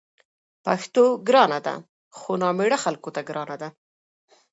پښتو ګرانه ده؛ خو نامېړه خلکو ته ګرانه ده